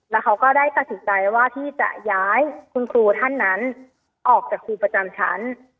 แล้วเขาก็ได้ตัดสินใจว่าที่จะย้ายคุณครูท่านนั้นออกจากครูประจำชั้น